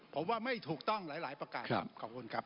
ผมว่าไม่ถูกต้องหลายประกาศครับ